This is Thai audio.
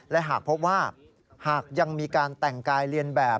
และหากพบว่าหากยังมีการแต่งกายเรียนแบบ